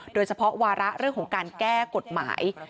โดยเฉพาะวาระเรื่องของการแก้กฎหมาย